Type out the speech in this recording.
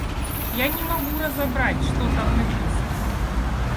Я не могу разобрать, что там написано.